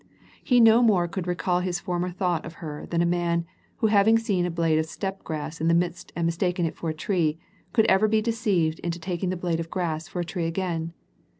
He no more could recall his former thought of her than a man, who having seen a blade of steppe grass in the mist and mistaken it for a tree, could ever be deceived into taking the blade of grass for a tree again.